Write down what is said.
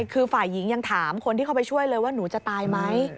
คือฝ่ายหญิงยังถามคนที่เข้าไปช่วยเลยว่าหนูจะตายไหม